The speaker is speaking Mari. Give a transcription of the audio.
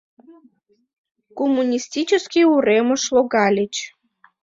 Коммунистический уремыш логальыч.